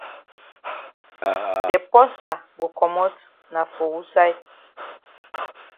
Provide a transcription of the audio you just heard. De porsa go komot na for wusaid?